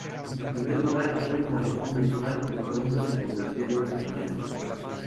En primer lugar era un boletín mensual, que pronto se convirtió en un semanario.